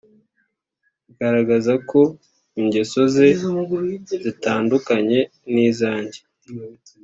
bigaragara ko ingeso ze zitandukanye nizange.